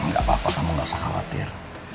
nggak apa apa kamu gak usah khawatir